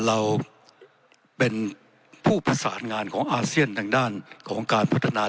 เราเป็นผู้ประสานงานของอาเซียนทางด้านของการพัฒนา